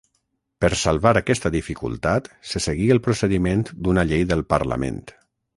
Per salvar aquesta dificultat se seguí el procediment d'una llei del Parlament.